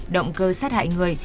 động cơ sát hại người